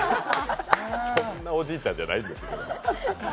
そんなおじいちゃんじゃないんですけど。